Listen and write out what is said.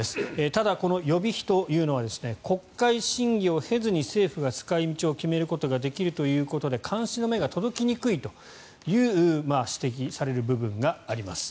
ただ、この予備費というのは国会審議を経ずに政府が使い道を決めることができるということで監視の目が届きにくいという指摘される部分があります。